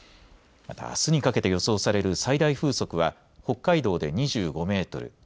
また、あすにかけて予想される最大風速は北海道で２５メートル